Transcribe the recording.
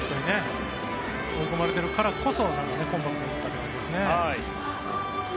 追い込まれているからこそコンパクトに打った感じですね。